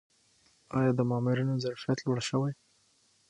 آیا د مامورینو ظرفیت لوړ شوی؟